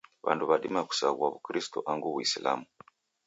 w'andu w'adima kusaghua w'ukristo angu w'uislamu